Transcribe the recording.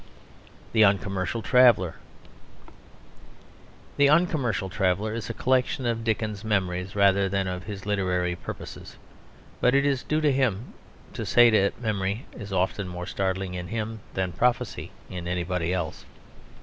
THE UNCOMMERCIAL TRAVELLER The Uncommercial Traveller is a collection of Dickens's memories rather than of his literary purposes; but it is due to him to say that memory is often more startling in him than prophecy in anybody else.